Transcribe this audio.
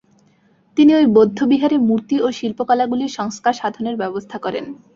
তিনি ঐ বৌদ্ধবিহারের মূর্তি ও শিল্পকলাগুলির সংস্কার সাধনের ব্যবস্থা করেন।